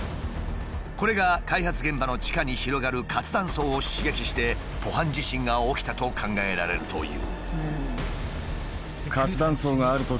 これが開発現場の地下に広がる活断層を刺激してポハン地震が起きたと考えられるという。